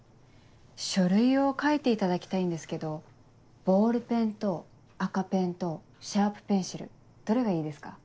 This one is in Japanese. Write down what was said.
書類を書いていただきたいんですけどボールペンと赤ペンとシャープペンシルどれがいいですか？